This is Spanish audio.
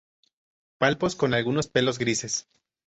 Palpos con algunos pelos grises.